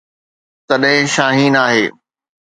تڏهن شاهين آهي.